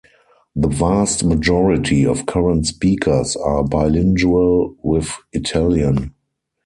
The vast majority of current speakers are bilingual with Italian.